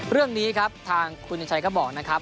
เรื่องนี้ครับทางคุณชัยก็บอกนะครับ